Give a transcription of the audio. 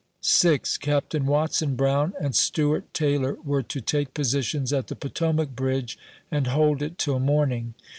6. Captain Watson Brown and Stewart Taylor were to take positions at the Potomac bridge, and hold it till morning.